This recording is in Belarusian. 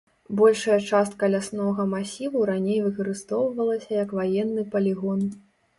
Большая частка ляснога масіву раней выкарыстоўвалася як ваенны палігон.